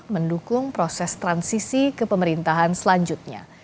mendukung proses transisi ke pemerintahan selanjutnya